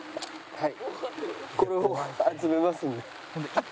はい。